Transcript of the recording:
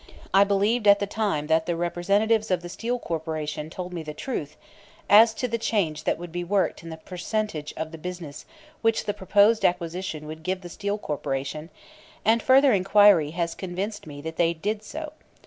I believed at the time that the representatives of the Steel Corporation told me the truth as to the change that would be worked in the percentage of the business which the proposed acquisition would give the Steel Corporation, and further inquiry has convinced me that they did so.